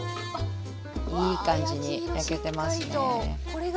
いい感じに焼けてますね。